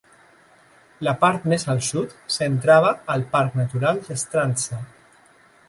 La part més al sud s'entrava al Parc Natural d'Strandzha.